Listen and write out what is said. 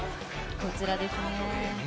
こちらですね。